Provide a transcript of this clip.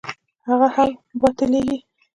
هغه هم باطلېږي.